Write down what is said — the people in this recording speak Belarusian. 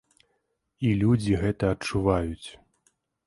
І людзі гэта адчуваюць.